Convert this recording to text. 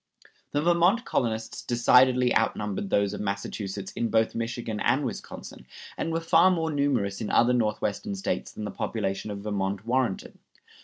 The Vermont colonists decidedly outnumbered those of Massachusetts in both Michigan and Wisconsin, and were far more numerous in other Northwestern States than the population of Vermont warranted.